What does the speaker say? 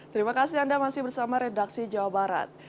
terima kasih anda masih bersama redaksi jawa barat